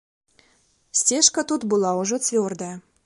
Сцежка тут была ўжо цвёрдая.